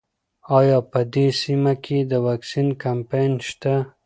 ایا په دې سیمه کې د واکسین کمپاین شته؟